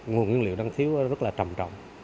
nguồn nguyên liệu đang thiếu rất là trầm trọng